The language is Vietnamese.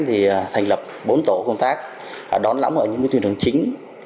thì thành lập bốn tổ công tác đón lõng ở những tuyên thống chính